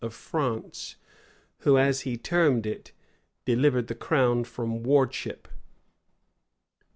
of France, who, as he termed it, delivered the crown from wardship.